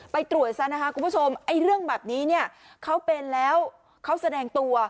ไปตรวจซะนะคะคุณผู้ชมไอ้เรื่องแบบนี้เนี่ยเขาเป็นแล้วเขาแสดงตัว